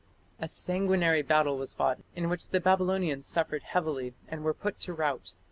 A sanguinary battle was fought, in which the Babylonians suffered heavily and were put to rout.